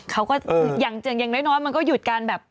เขาก็อย่างน้อยมันก็หยุดการแบบ